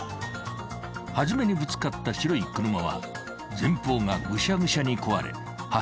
［初めにぶつかった白い車は前方がぐしゃぐしゃに壊れ破片が散乱］